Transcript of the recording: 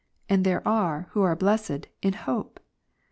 199 and there are, who are blessed, in hope.